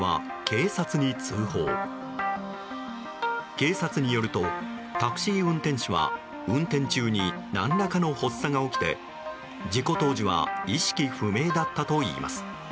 警察によると、タクシー運転手は運転中に何らかの発作が起きて事故当時は意識不明だったといいます。